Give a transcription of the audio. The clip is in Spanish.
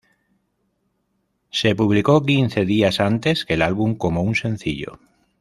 Se publicó quince días antes que el álbum como un sencillo.